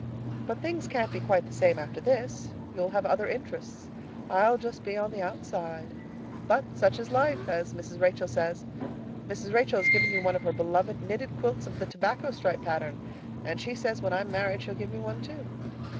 But things can't be quite the same after this. You'll have other interests. I'll just be on the outside. But 'such is life' as Mrs. Rachel says. Mrs. Rachel has given you one of her beloved knitted quilts of the 'tobacco stripe' pattern, and she says when I am married she'll give me one, too."